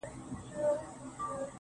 خو دې به سمعې څو دانې بلــــي كړې_